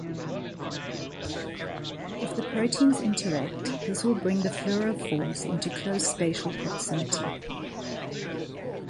If the proteins interact, this will bring the fluorophores into close spatial proximity.